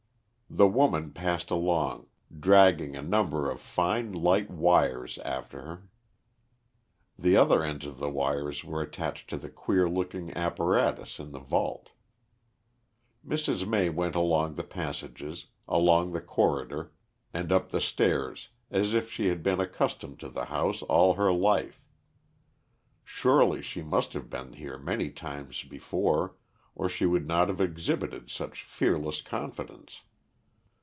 The woman passed along, dragging a number of fine light wires after her. The other ends of the wires were attached to the queer looking apparatus in the vault. Mrs. May went along the passages, along the corridor, and up the stairs as if she had been accustomed to the house all her life. Surely she must have been here many times before, or she would not have exhibited such fearless confidence.